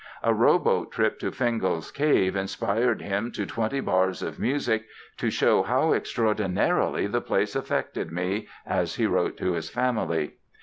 A rowboat trip to Fingal's Cave inspired him to twenty bars of music "to show how extraordinarily the place affected me", as he wrote to his family.